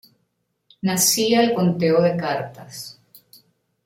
Nacía el conteo de cartas.